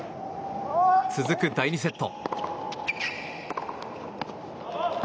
続く第２セット。